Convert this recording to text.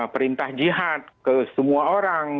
perintah jihad ke semua orang